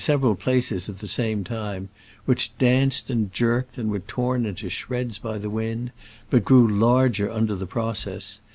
71 eral places at the same time), which danced and jerked and were torn into shreds by the wind, but grew larger under the process.